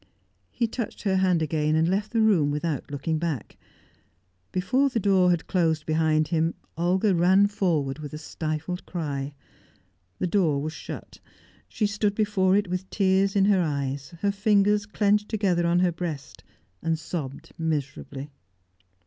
He touched her hand again, and left the room without looking back. Before the door had closed behind him, Olga ran forward with a stifled cry. The door was shut. She stood before it with tears in her eyes, her fingers clenched together on her breast, and sobbed miserably.